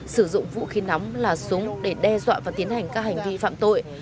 sử dụng vũ khí nóng là súng để đe dọa và tiến hành các hành vi phạm tội